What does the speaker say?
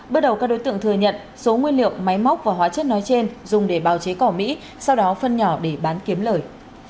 bước đầu các đối tượng thừa nhận số nguyên liệu máy móc và hóa chất nói trên dùng để bào chế cỏ mỹ sau đó phân nhỏ để bán kiếm lời